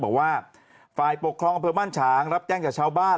บอกว่าฝ่ายปกครองอำเภอบ้านฉางรับแจ้งจากชาวบ้าน